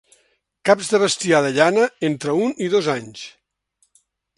Caps de bestiar de llana entre un i dos anys.